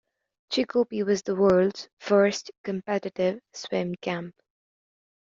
Chikopi was the world's first competitive swim camp.